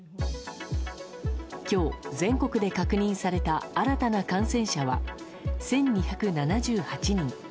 今日、全国で確認された新たな感染者は１２７８人。